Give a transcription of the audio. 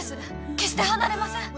決して離れません。